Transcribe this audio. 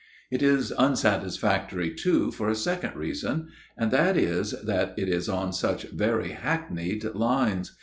" It is unsatisfactory, too, for a second reason ; and that is, that it is on such very hackneyed lines.